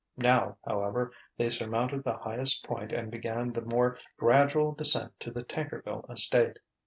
Now, however, they surmounted the highest point and began the more gradual descent to the Tankerville estate.